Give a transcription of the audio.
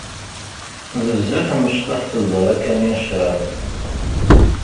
Bezzaf mecṭuḥet lberka-nni n ccrab.